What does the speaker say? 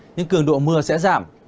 nhưng cường độ mưa sẽ giảm